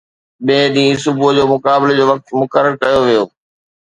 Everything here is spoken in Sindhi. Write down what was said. ٻئي ڏينهن صبح جو، مقابلي جو وقت مقرر ڪيو ويو